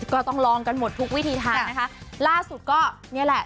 ก็ต้องลองกันหมดทุกวิธีทางนะคะล่าสุดก็เนี่ยแหละ